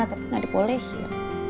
tapi gak diperoleh ya